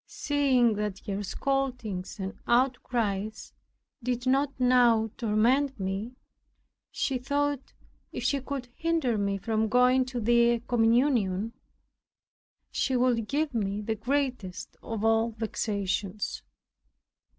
Seeing that her scoldings and outcries did not now torment me, she thought, if she could hinder me from going to the communion, she would give me the greatest of all vexations.